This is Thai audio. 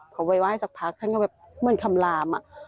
เขาไปไหว้สักพักท่านก็แบบเหมือนคำลาม